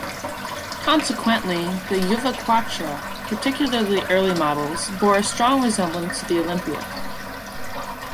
Consequently, the Juvaquatre, particularly early models, bore a strong resemblance to the Olympia.